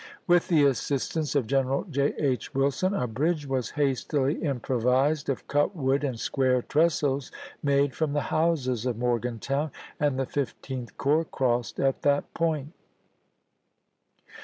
With the assistance of Greneral J. H. Wilson a bridge was hastily improvised of cut wood and square trestles made from the houses of Morgantown, and the Fifteenth Corps crossed at that point.